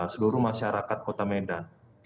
seluruh masyarakat kota medan